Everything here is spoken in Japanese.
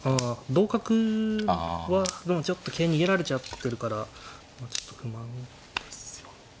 同角はでもちょっと桂逃げられちゃってるからまあちょっと不満。